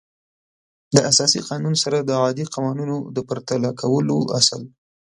د اساسي قانون سره د عادي قوانینو د پرتله کولو اصل